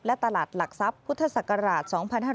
และตลาดหลักทรัพย์พุทธศักราช๒๕๕๙